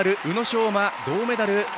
宇野昌磨、銅メダル。